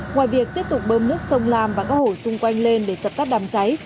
ngoài việc tiếp tục bơm nước sông lam và các hồ xung quanh lên để dập tắt đám cháy